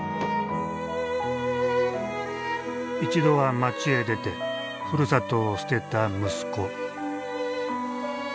一度は町へ出てふるさとを捨てた息子。